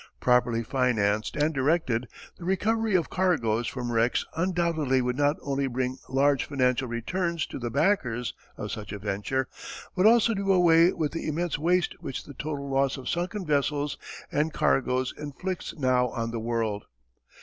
Properly financed and directed, the recovery of cargoes from wrecks undoubtedly would not only bring large financial returns to the backers of such a venture, but also do away with the immense waste which the total loss of sunken vessels and cargoes inflicts now on the world.